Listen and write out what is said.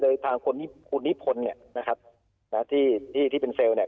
โดยทางคุณนิพพลเนี่ยนะครับที่เป็นเซลล์เนี่ย